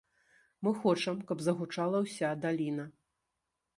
Мы хочам, каб загучала ўся даліна!